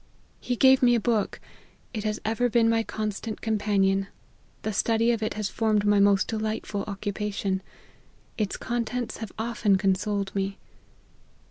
He gave me a book it has ever been my constant companion the study of it has formed my most delightful occupation its contents have often con soled me."